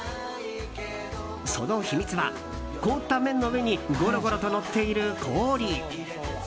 その秘密は、凍った麺の上にゴロゴロとのっている氷。